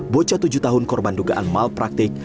bocah tujuh tahun korban dugaan malpraktik